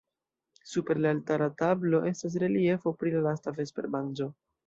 Super la altara tablo estas reliefo pri la Lasta vespermanĝo.